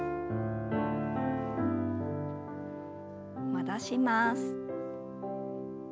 戻します。